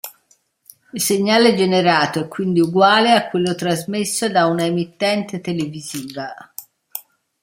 Il segnale generato è quindi uguale a quello trasmesso da una emittente televisiva.